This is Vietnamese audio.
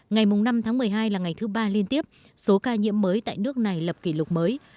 ngày năm tháng một mươi hai là ngày thứ ba liên tiếp số ca nhiễm mới tại nước này lập kỷ lục mới